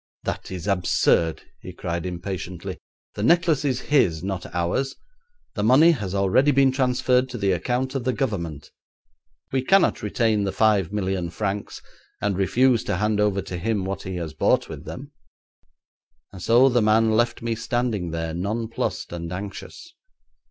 'That is absurd,' he cried impatiently. 'The necklace is his, not ours. The money has already been transferred to the account of the Government; we cannot retain the five million francs, and refuse to hand over to him what he has bought with them,' and so the man left me standing there, nonplussed and anxious.